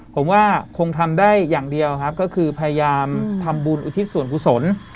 ผมว่าคงทำได้อย่างเดียวครับก็คือพยายามทำบุญอุทิศส่วนกุศล